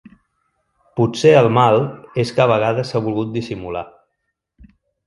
Potser el mal és que a vegades s’ha volgut dissimular.